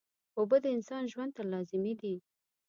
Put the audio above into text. اوبه د انسان ژوند ته لازمي دي